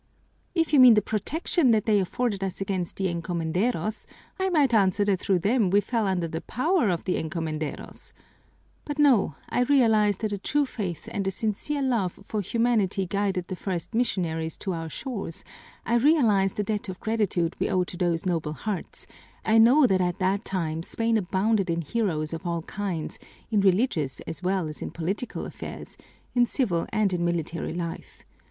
"If you mean the protection that they afforded us against the encomenderos, I might answer that through them we fell under the power of the encomenderos. But no, I realize that a true faith and a sincere love for humanity guided the first missionaries to our shores; I realize the debt of gratitude we owe to those noble hearts; I know that at that time Spain abounded in heroes of all kinds, in religious as well as in political affairs, in civil and in military life.